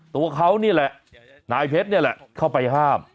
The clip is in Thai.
ตัวเขานี่แหละนายเพชรนี่แหละเข้าไปห้าม